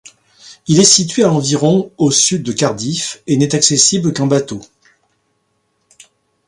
Il est situé a environ au sud de Cardiff et n'est accessible qu'en bateau.